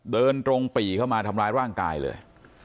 เดินตรงปี่เข้ามาทำร้ายร่างกายเลย